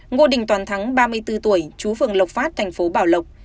ngô đình toàn thắng ba mươi bốn tuổi chú phường lộc phát thành phố bảo lộc